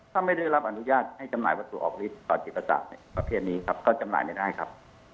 ถ้าไม่ได้รับอนุญาตให้จำหน่าวัตถุออกฤทธิต่อจิตประสาทประเภทนี้ครับก็จำหน่ายไม่ได้ครับ